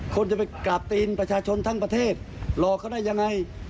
คนจะไปกราบตีนประชาชนทั้งประเทศหลอกเขาได้ยังไง